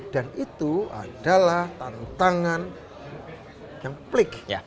dan itu adalah tantangan yang plik